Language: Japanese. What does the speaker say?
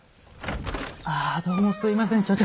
ああどうもすいません所長。